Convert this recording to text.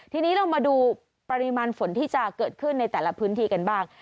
ทีนี้เรามาดูปริมาณฝนที่จะเกิดขึ้นในแต่ละพื้นที่กันบ้าง